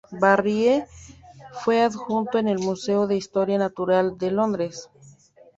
Barrie fue adjuntó en el Museo de Historia Natural de Londres.